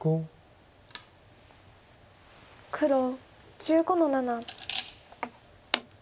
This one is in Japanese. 黒１５の七。